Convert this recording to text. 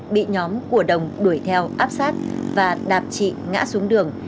bị nhóm của đồng đuổi theo áp sát và đạp chị ngã xuống đường